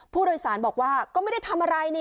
ผู้โดยสารบอกว่าก็ไม่ได้ทำอะไรนี่